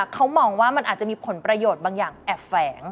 เขามองว่ามันอาจจะมีผลประโยชน์บางอย่างแอบแฝง